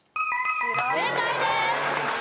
正解です！